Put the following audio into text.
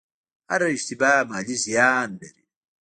هره اشتباه مالي زیان لري.